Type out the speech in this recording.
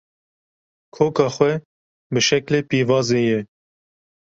Koka xwe bi şeklê pîvazê ye